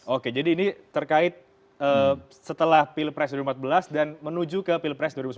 oke jadi ini terkait setelah pilpres dua ribu empat belas dan menuju ke pilpres dua ribu sembilan belas